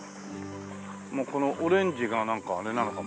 もうこのオレンジがなんかあれなのかもわからない。